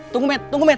tunggu met tunggu met